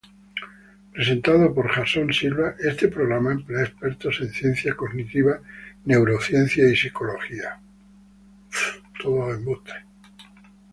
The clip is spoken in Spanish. Presentado por Jason Silva, este programa emplea expertos en ciencia cognitiva, neurociencia y psicología.